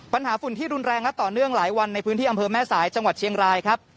ฝุ่นที่รุนแรงและต่อเนื่องหลายวันในพื้นที่อำเภอแม่สายจังหวัดเชียงรายครับ